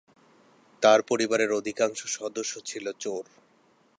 তার পরিবারের অধিকাংশ সদস্য ছিল চোর।